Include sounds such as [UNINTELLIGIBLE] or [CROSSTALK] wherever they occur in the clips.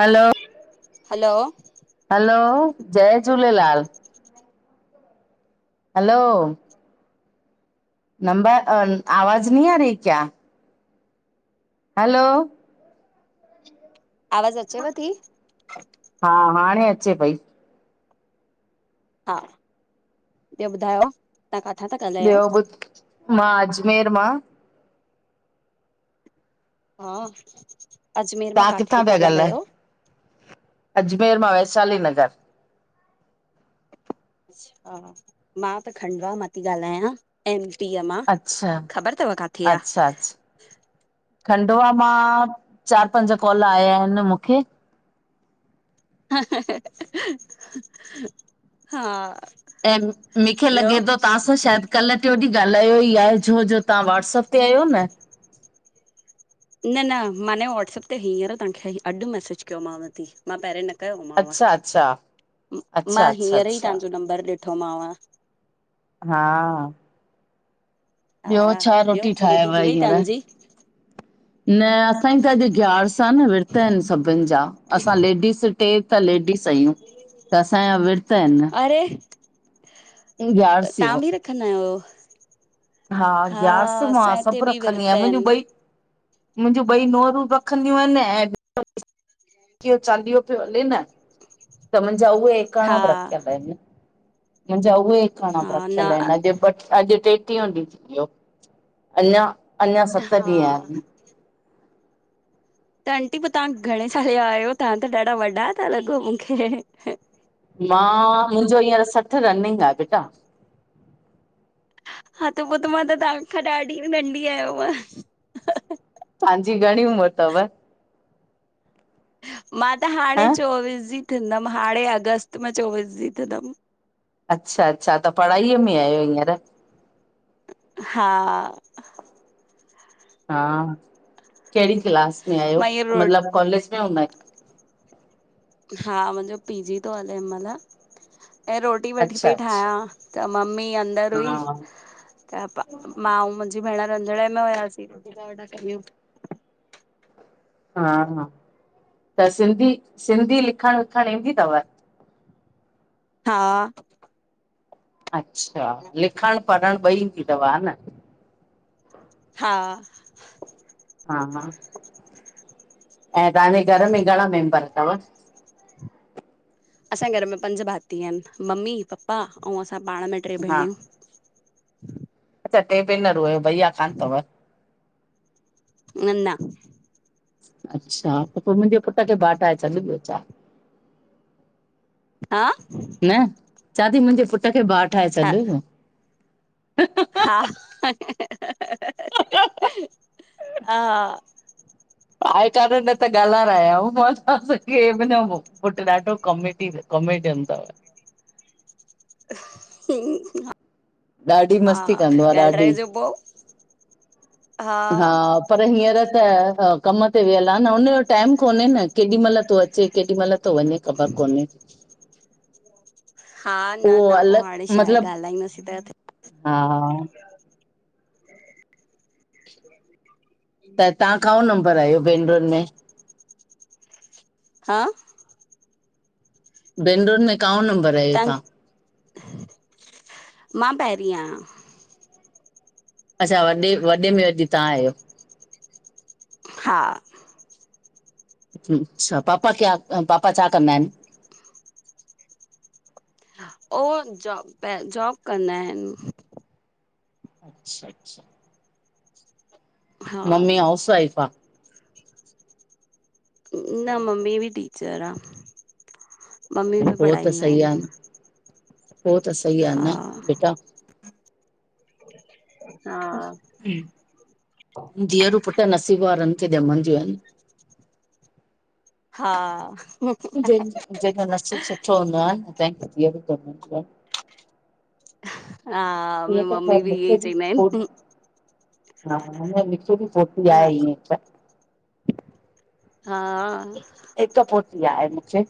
हलो। Hello. Hello, जय Jhulelal. Hello. Number, आवाज नइ आ री क्या? हलो। आवाज़ अचेव धी? हा, हाणे अचे पई। हा, ॿियो ॿुधायो? तां काथा तां ॻाल्हायो ॿियो बुधायो? मां अजमेर मां। हा, अजमेर मां तव्हां किथां काथे पिया था ॻाल्हायो? अजमेर मां वैशाली नगर। अच्छा, मां त खंडवा मां थी ॻाल्हायां। एम पीअ मां, अच्छा ख़बर थव काथे आ? अच्छा अच्छा खंडवा मां चार पंज कॉल आया आहिन मूंखे। हा। ऐं मूंखे ॿियो? लॻे थो तहां सां शायद कल्ह टियो ॾींहुं ॻाल्हायो ई आहे छो जो तव्हां वाट्सअप ते आयो न? न न मां ने व्हाट्सअप ते हींअर तांखे अॼु मैसेज कयोमांव थी। मां पहिरं न कयोमांव, अच्छा अच्छा मां अच्छा अच्छा हींअर ई अच्छा तव्हांजो नंबर ॾिठोमांव। हा। हा ॿियो छा ॿियो रोटी ठाहियव थी वई हींअर? तव्हांजी? न असांजी त अॼु ग्यारस आ न विर्त आहिन सभिन जा, असां लेडीस टे त लेडीस आहियूं, त असांजा विर्त आहिनि अरे! ग्यारस यो। रखदा आयो? हा ग्यारस मां असां हिते सब बि रखंदी विरता आयां, मुंहिंजूं आहिनि। ॿई मुंहिंजूं ॿई नुअरूं रखंदियूं आहिन ऐं चालीहो पयो हले न त मुंहिंजा उहे एकाणा बि हा, रखियल आहिन, मुंहिंजा उहे एकाणा बि हा न रखियल आहिन, अॼु अॼु टेटीहो ॾींहं थी वियो, अंञा अंञा सत हा ॾींहं आहिन। त आंटी पो तव्हां घणे साल जा आहियो? तव्हां त ॾाढा वॾा ता लॻो मुखे मां मुंजो हींअर सठि रनिंग आ बेटा। हा त पो त मां त तव्हांखां ॾाढी नंढी आयंव। तव्हांजी घणी उमिर थव? मां त हाणे ह चोवीस जी थींदम हाणे अगस्त मां चोविस जी थींदम। अच्छा-अच्छा त पढ़ाईअ में आहियो हींअर? हा हा, केड़ी क्लास में आहियो? मां इअ रोट मतलब कॉलेज में हूंदा आहिन हा, मुंजो पी-जी थो हले हिन मल। ऐं रोटी वेठी अच्छा पई अच्छा ठाहियां, त मम्मी अंदर हुई। हा त प मां अऊं मुंजी भेण रंधिणे में हुयासीं, रोटी ता वेठा कयूं। हा, हा! त सिंधी-सिंधी लिखणु विखणु ईंदी तव्? हा अच्छा, लिखणु पढ़णु ॿई ईंदी तव् हा न? हा। हा हा, ऐं तव्हांजे घर में घणा मेंबर तव्? असांजे घर में पंज भाती आहिन, मम्मी पपा अऊ असां पाण में ट्रे हा भेणियूं। अच्छा, ट्रे भेनर हुओ, भईया कान्ह तव्। न-न अच्छा, त पो मुंजे पुट खे बाटाए छॾ ॿियो छा हा! न चहां थी, मुंजे पुट खे भाऊ ठाहे छॾि हा-हा [INAUDIBLE] आहे कान, न त ॻाल्हारायमांस त केर बि न हो। पुत्र ॾाढो कॉमेडी, कॉमेडियन तव्। [UNINTELLIGIBLE] ॾाढी मस्ती कंदो आ, ॾाढी! ब हा, पर हींअर त कम ते वियल आ न हुन जो टाइम कोन्हे न। केॾी मल तो अचे, केॾी मल तो वञे, ख़बर कोन्हे। हा न उहो न पो, हाणे अलॻि छा आहे? मतिलब ॻाल्हाईंदासीं त! हा त तव्हां काओं नंबर आयो बेनुरुन में? हा! भेनूरून में काओ नंबर? त आहियो तव्हां मां पहिरीं आहियां। अच्छा, वॾे वॾे में वॾी तव्हां आहियो। हा। अच्छा, पापा क्या- पापा छा कंदा आहिनि? ओ जॉब प जॉब कंदा आहिनि। अचछा - अच्छ हा मम्मी हाउसवाइफ आ? न, मम्मी बि टीचर आ, मम्मी अरे बि पोइ त पढ़ाईंदा सही आहे आहिनि। न पो त सही आ न, हा बेटा? हा। धीअरू पुट नसीब वारन खे ॼमंदियूं आहिनि। हा छो [UNINTELLIGIBLE] हा मुंहिंजी हीअं त शै मम्मी इहे ई मूंखे बि चईंदा आहिनि सपोट [UNINTELLIGIBLE] हा, आ न मूंखे बि पोट्री हा आहे, ईअं त। हा हिक पोट्री आहे मुखे,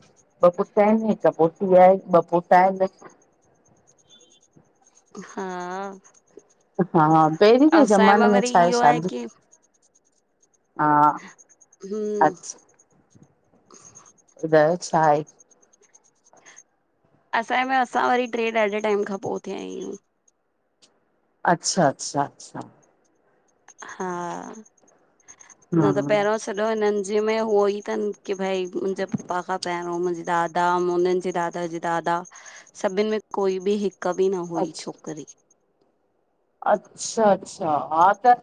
ॿ पुट आहिन। हिक पोट्री आहे, ॿ पोटा आहिन। हा। हा पहिरीं त असांजे ज़माने में वरी छा आहे इहो शादी, की हा हम। ॿुढाए छा हे? असांॼे में असां वरी ट्रे ॾाढे टाइम खां पो थया आहियूं। अच्छा-अच्छा-अच्छा हा न हा त पहिरों श् तॾहु हिनन जे में हुवोई तन की भई मुंजे पपा खां पहिरों मुंहिंजे दादा उनन जे दादा। दादा सभिन में कोई ॿि हिक ॿि न हुई छोकरी। अच्छा-अच्छा हा त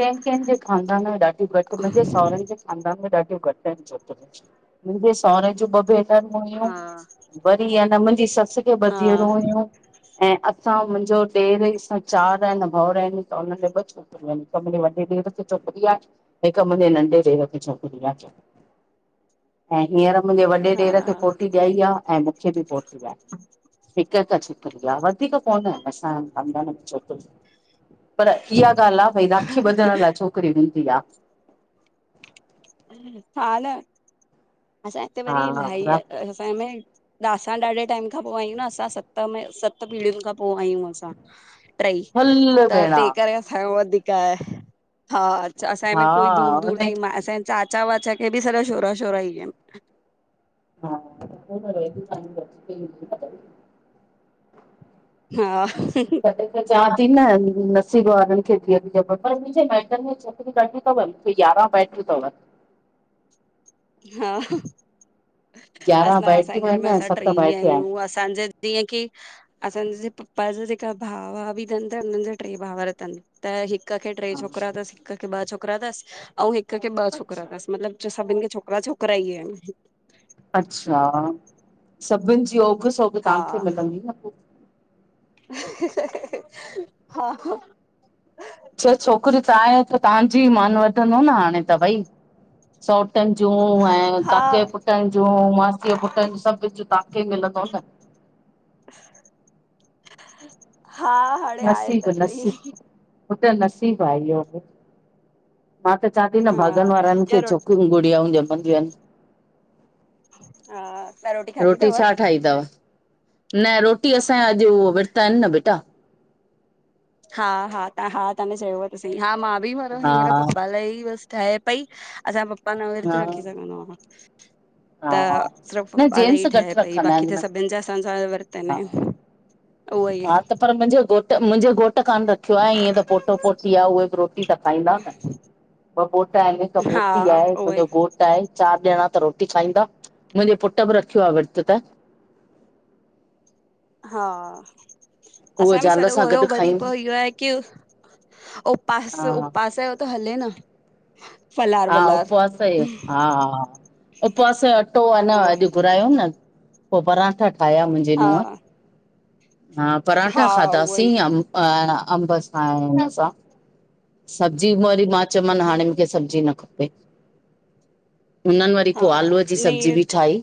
कहि कहिंजे खानदान में ॾाढ घट मुंहिंजे सावरन जे ख़ानदान में ॾाढियूं घट आहिन छोकरियूं मुंजे सावरे जूं ॿ भेन रन हुयूं, हा वरी य न मुंजी सस खे ॿ हा धिरूं हुयूं। ऐं असां मुंजो ॾेर इ साई चार आहिन भावर आहिन त हुन में ॿ छोकिरूंयू आहिन हिक मुंजे वॾे ॾेर खे छोकरी आ हिक मुंजे नंढे ॾेर खे छोकरी आ। [INAUDIBLE] ऐं हींअर मुंजे वॾे हा ॾेर खे पोट्री ॾायी आ ऐं मुखे बि पो हिक-हिक छोकरी आ वधीक कोन्ह असां जे खांदान में छोकरियू। पर इहा ॻाल्ह आ भई राखी ॿधण लाइ छोकरी हूंदी आ। हा न असां हिते वरी इल्हाई आ हा असांजे में ॾ असां ॾाढे टाइम पो आहियूं न असां सत में सत पीढ़ियुन खां पो आहियूं असां। टृई हल त भेण तेह करे असांजो वधीक आए हा असांजे हा में कोई दूर-दूर हुन ताईं मा असांजे चाचा वाचा खे बि सॼा छोरा छोरा हिन। [UNINTELLIGIBLE] हा व [UNINTELLIGIBLE] हा अ [UNINTELLIGIBLE] त चां ती न नसीब वारन खे धीअरू ॼमंदियू पर‌ मुजे माइटनि में छोकरियूं ॾाढियु। अथव मुखे यारहां बैटरियूं तव। हा यारहं असां, भाइटियूं असांजे घर आहिनि में ऐं असां त्रे सत ही भाइटिया आहियूं असांजे जीअं की असांजे पप्पा जा जेका भाउ वाउ बि तन त हुनन जा ट्रे भावर तन त हि हिक खे ट्रे आहिनि छोकरा तस, हिक खे ॿ छोकिरा, तस अऊं हिक खे ॿ छोकरा अच्छा तस, मतलब जो सभिन खे छोक ॿ छोकिराई इन। अच्छा सभिन जी ओघ सोघ हा तहांखे मिलंदी न पो। हा छह छोकिरयूं तहां हिते तव्हांजी मन वधंदो न हाणे त भाई। सौट्रनि जूं ऐं काके ये हा पुट्रनि जूं पो मासीअ पुट्रन जो सभनी खे तव्हांखे ही मिलंदो न। हा हाणे आहे त सईं। हो त नसीबु आहे इहियो बि मां त चवां ती न हा भाॻनि वारनि ॿियो खे रोटी छोकिरियूं गुड़ियाउं ॼमंदियू आहिन। हा तव्हां खाधी रोटी अथव? छा ठाईदव? न रोटी असांया अॼु ओ विर्त आहिनि न बेटा। हा हा त हा तव्हांने चयु त सही हा मां बि भर हा हींअर पप्पा लाइ ई बस ठाहे पई असांजो पप्पा न विर्त हा रखी सघंदो आ। त हा सिर्फ़ न पप्पा लाइ जेंट्स ठहे घटि पई रखंदा बाक़ी आहिनि त न सभिनि जा असांजा विर्त हा। आहिन। उहो ई हा त पर मुंहिंजो घोट मुंहिंजो घोट त कान रखियो आ ईएं त पोट्रो, पोट्री आ उहे बि रोटी त खाईंदा न। ॿ पोट्रा आहिनि हिक हा पोट्री आ हिक उहो ई मुंहिंजो घोटु चार ॼणा त रोटी खाईंदा, मुंहिंजे पुट्र बि रखियो आ विर्तु त। हा उहो असांये में ज़ाल सॼो सां हुयो गॾु वरी खाईंदो पो इहो आहे कि ओ पास हा। उपवास यो त हले न। फलार हा वलार उपवास ई। हा उपवास जो अटो हेन उहोई अॼु घुरायो न। पो परांठा ठाहिया मुंहिंजे हा नुहं हा, हा परांठा उहोई खाधासीं या हा, अंब सा ऐं हुन सा। सब्जी बि वरी मां चयोमानि हाणे मूंखे सब्जी न खपे। हुननि वरी हा पो आलूअ जी सब्जी नही बि ठाही,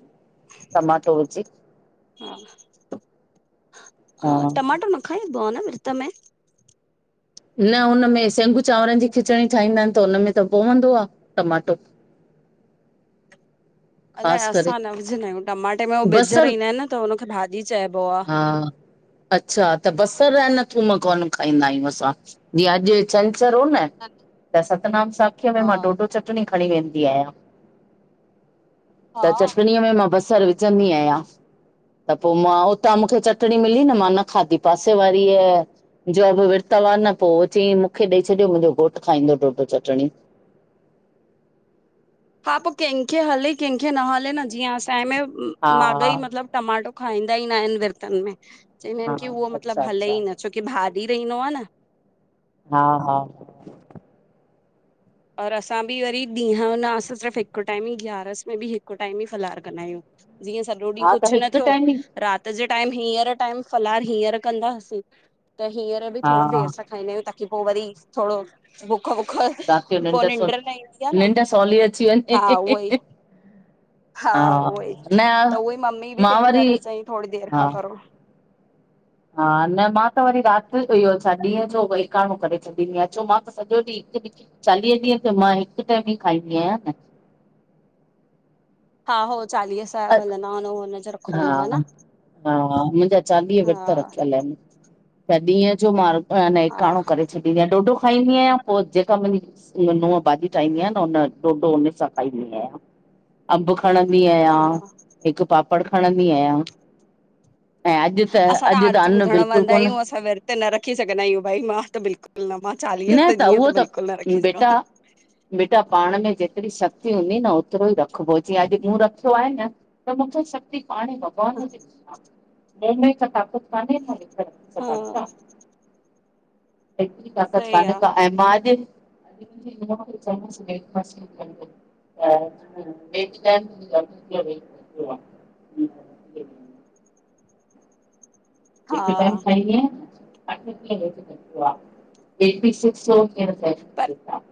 टमाटो विझी। हा हा, हा। टमाटर न खाईंबो आ न विरत में? न हुनमें, सेंंगू चांवरनि जी खिचड़ी ठाहींदा आहिनि त उन में त पवंदो आ, टमाटो। अलाए, ख़ासि करे असां न विझंदा आहियूं। टमाटे में उ बिज बसर रहिंदा आहिनि न त हुनखे भाॼी चइबो आ। हा अच्छा! त बसरु ऐं न थूम कोन खाईंदा आहियूं असां। जीअं अॼु छंछरु हो न त सतनाम साखीअ में मां हा डोडो-चटणी खणी वेंदी आहियां। त हा चटणीअ में मां बसरु विझंदी आहियां। त पो मां त मूंखे चटिणी मिली न मां न खाधी पासे वारीअ जो बि विर्त वा न, पो चई मूंखे ॾेई छॾियो मुंहिंजो घोटु खाईंदो डोडो चटिणी। हा पो कंहिंखे हले, कंहिंखे न हले न। जीअं असांजे में हा माॻई मतिलब टमाटो खाईंदा ही न आहिनि विर्तन में। चईंदा हा आहिनि की उहो अच्छा मतलबु हले ई अच्छा न छो की भाॼी रहिनो आ न। हा, हा। और असां बि वरी ॾींहं यो ना, असां सिर्फ़ु हिकु टाइम ई ग्यारस में बि हिकु टाइम ई फलार कंदा आहियूं। जीअं सॼो ॾींहुं हा त कुछ न हिकु थियो टाइम ई रात जे टाइम हींअर टाइम फलार हींअर कंदासीं त हींअर बि हा थोरो देरि सां खाईनदा आहियूं, ताकि पो वरी, थोड़ो भुख वुख राति जो पो निंड सु निंड्र न ईंदी आहे न। निंड सवली अची हा उहो ई। वञे हा उहो ही। न त उहो ही मम्मी बि मां ते वरी करे चई, थोड़ी देर हा खां करो। हा, न मां त वरी रात, इहो छा ॾींहं जो बि एकांणो करे छॾींदी आं, छो मां त सॼो ॾींहुं हिकु चालीह ॾींहुं त मां हिकु टाइम ही खाईंदी आहियां न। हा हो चालीह साहिब न हलन्दा आहिनि, हुन जो रखो हा हूंदव न। हा, मुंहिंजा चालीह विर्त हा रखियल आहिनि। त ॾींहं जो मां ह न हा एकांणो करे छॾींदी आहियां। डोडो खाईंदी आहियां, पोइ जेका मुंहिंजी मुंहिंजी नूंहं भाॼी ठाहींदी आए न उन डोडो उने सां खाईंदी आहियां। अंब खणंदी आहियां। हा हिकु पापड़ खणंदी आहियां। ऐं अॼु त, असां अॼु त आरती अन्न ॿुधण बिल्कुलु वेंदा कोन आहियूं असां विर्त त न रखी सघंदा आहियूं। भाई मां त बिल्कुलु न। मां चालीह त ॾींहं त बिल्कुलु न रखी सघां। बेटा बेटा, पाण में जेतिरी शक्ति हूंदी न होतिरो ई रखिबो। जीअं अॼु मूं रखियो आहे न त मूंखे शक्ति कान्हे का [UNINTELLIGIBLE] ताक़त काने न [UNINTELLIGIBLE] हा हेतिरी ताकत सही कान्हे आहे का ऐं मां अॼु [UNINTELLIGIBLE] आ [UNINTELLIGIBLE] हा [UNINTELLIGIBLE] पर [UNINTELLIGIBLE]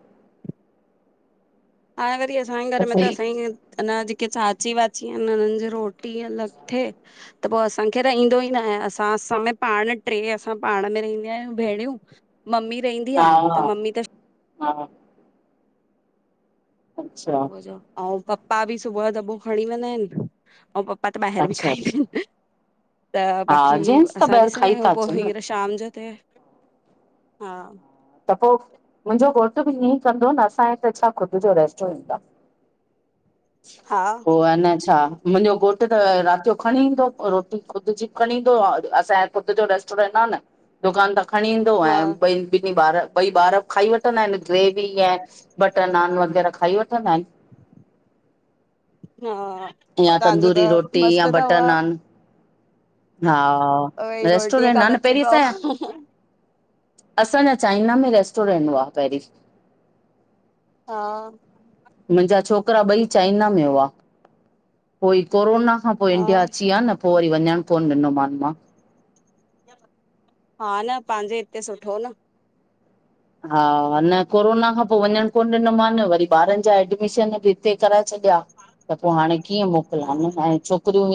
ऐं वरी असांजे घर तो में त सही असांजी, अञां जेके चाची वाची आहिनि हिननि जे रो टी अलग थे त पोइ असांखे ईंदो ई न आहे। असां असां में पाण ट्रे असां पाण में रहंदी आहियूं भेणियूं मम्मी रहंदी आ, त मम्मी त हा। अच्छा अऊं पप्पा बि सुबुह जो दॿो खणी वेंदा आहिनि अऊं पप्पा त ॿाहिर बि अच्छा खाई अच्छा लाइनि [UNINTELLIGIBLE] त हा बाक़ी जेंट्स त असां ॿाहिरि ॾिसंदा खाई था आहियूं पोइ अचनि न हींअर शाम जो त। हां त पोइ मुंहिंजो घोट बि हीअं चइदो न असांजे ते छा ख़ुदि जो रेस्टोरेन्ट आ। [INAUDIBLE] पो आ न छा मुंहिंजो घोटु त राति जो खणी ईंदो रोटी ख़ुदि जी बि खणी ईंदो आ, असां ख़ुदि जो रेस्टोरेंट आ न। दुकान तां खणी ईंदो हा ऐं ॿई ॿार ॿई ॿार बि खाई वठंदा आहिनि ग्रेवी ऐं बटर नान वग़ैरह खाई वठंदा आहिनि। हा पोइ यां तव्हांजो त तंदूरी रोटी यां मस्तु अथव बटर नान। हा रोटीअ रेस्टोरंट खां आ न बची पहरीं पओ असांया असांजा चाइना में रेस्टोरेंट हुआ पहिरीं। हा। मुंहिंजा छोकरा ॿई चाइना में हुआ। पोइ ही कोरोना खां पोइ हा इंडिया अची विया न पो वरी वञणु कोन ॾिनो मान मां। हा ह न पंहिंजे हिते सुठो न। हा न कोरोना खां पोइ वञणु कोन ॾिनो मान न, वरी ॿारनि जा एडमिशन बि कराए छॾिया त पोइ हाणे कीअं मोकल्या ह‌ हा न, हाणे ऐं छोकिरियूं